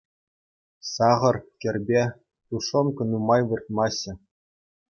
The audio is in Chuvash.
Сахӑр, кӗрпе, тушенка нумай выртмаҫҫӗ.